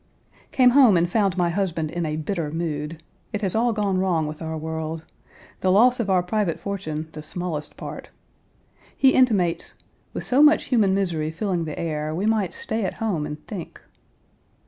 Came home and found my husband in a bitter mood. It has all gone wrong with our world. The loss of our private fortune the smallest part. He intimates, "with so much human misery filling the air, we might stay at home and think."